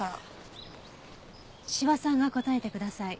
斯波さんが答えてください。